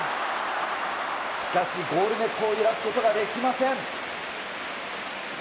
しかし、ゴールネットを揺らすことができません。